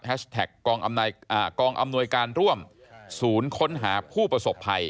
กองอำนวยการร่วมศูนย์ค้นหาผู้ประสบภัย